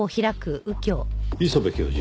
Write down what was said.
磯部教授。